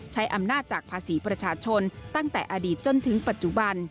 ใช้อำนาจจากภาษีประชาชนตั้งแต่อดีตจนถึงปัจจุบัน